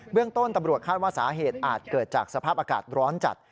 เรื่องต้นตำรวจคาดว่าสาเหตุอาจเกิดจากสภาพอากาศร้อนจัด